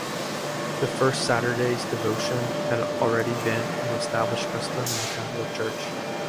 The First Saturdays devotion had already been an established custom in the Catholic Church.